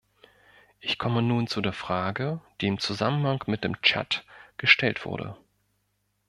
Ich komme nun zu der Frage, die im Zusammenhang mit dem Tschad gestellt wurde.